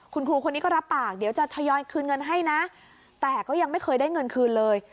คุณครูคนนี้ก็รับปากเดี๋ยวจะทยอยคืนเงินให้นะแต่ก็ยังไม่เคยได้เงินคืนเลย